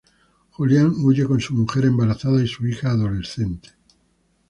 Julián huye con su mujer embarazada y su hija adolescente.